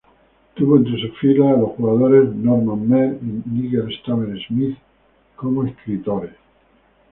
Tuvo entre sus filas a los jugadores Norman Mair y Nigel Starmer-Smith como escritores.